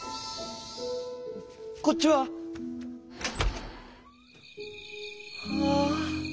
「こっちは？はあ」。